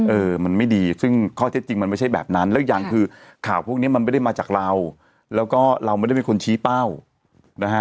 เออมันไม่ดีซึ่งข้อเท็จจริงมันไม่ใช่แบบนั้นแล้วอีกอย่างคือข่าวพวกนี้มันไม่ได้มาจากเราแล้วก็เราไม่ได้เป็นคนชี้เป้านะฮะ